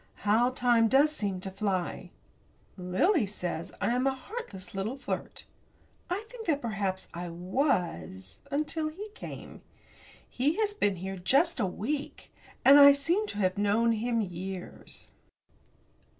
How time does seem to fly! Lily says I am a heartless little flirt. I think that perhaps I was, until he came. He has been here just a week, and I seem to have known him years.